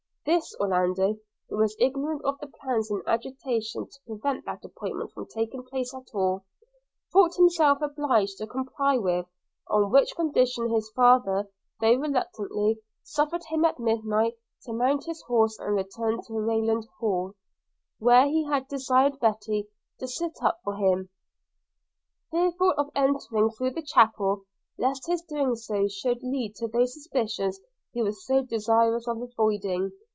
This Orlando (who was ignorant of the plans in agitation to prevent that appointment from taking place at all) thought himself obliged to comply with: on which condition his father, though reluctantly, suffered him at midnight to mount his horse and return to Rayland Hall, where he had desired Betty to sit up for him; fearful of entering through the chapel, lest his doing so should lead to those suspicions he was so desirous of avoiding.